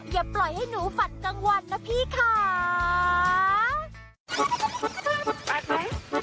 อย่าปล่อยให้หนูฝันกลางวันนะพี่ค่ะ